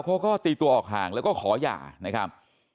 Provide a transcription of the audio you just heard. เขาก็ตีตัวออกห่างแล้วก็ขอหย่านะครับ